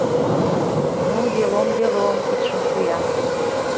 — Ну, делом, делом! — кидшым шуя.